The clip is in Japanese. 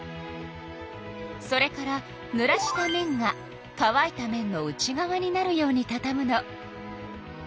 それからぬらした面がかわいた面の内側になるようにたたむの。